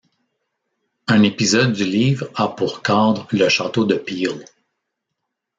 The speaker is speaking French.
Un épisode du livre a pour cadre le château de Peel.